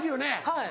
はい。